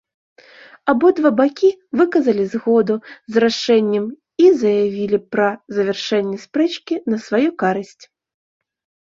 Абодва бакі выказалі згоду з рашэннем і заявілі пра завяршэнне спрэчкі на сваю карысць.